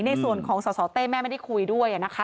ในส่วนของสสเต้แม่ไม่ได้คุยด้วยนะคะ